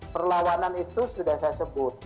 perlawanan itu sudah saya sebut